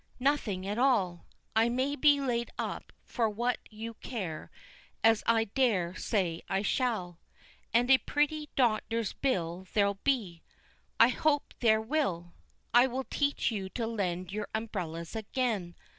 Nothing at all. I may be laid up for what you care, as I dare say I shall and a pretty doctor's bill there'll be. I hope there will! It will teach you to lend your umbrellas again.